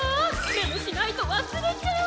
メモしないとわすれちゃう！